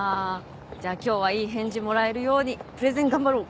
じゃあ今日はいい返事もらえるようにプレゼン頑張ろう。